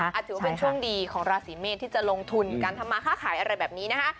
ถือว่าเป็นช่วงดีของราศีเมษที่จะลงทุนการทำมาค่าขายอะไรแบบนี้นะคะ